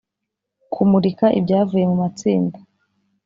– Kumurika ibyavuye mu matsinda